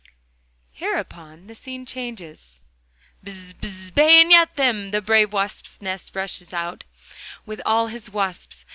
Hereupon the scene changes. 'Bs, bs, bayonet them!' The brave Wasp's nest rushes out with all his wasps.